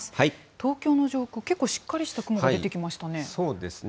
東京の上空、結構、しっかりした雲が出てきましたね。